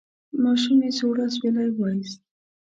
ماشومې سوړ اسویلی وایست: